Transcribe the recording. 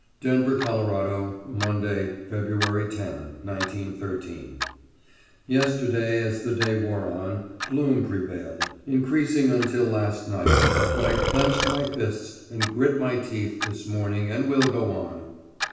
=Denver, Colo., Monday, February 10, 1913.= Yesterday as the day wore on, gloom prevailed, increasing until last night, but I clenched my fists and grit my teeth this morning, and will go on.